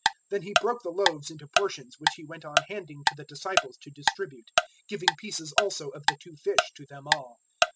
Then He broke the loaves into portions which He went on handing to the disciples to distribute; giving pieces also of the two fish to them all.